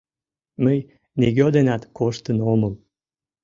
Мый нигӧ денат коштын омыл.